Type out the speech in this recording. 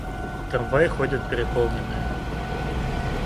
Трамваи ходят переполненные.